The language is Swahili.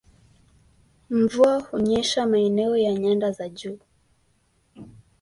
Mvua hunyesha maeneo ya nyanda za juu